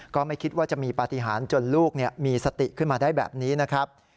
ก็ไม่คิดว่าจะมีปฏิหารจนลูกมีสติขึ้นมาได้แบบนี้นะครับ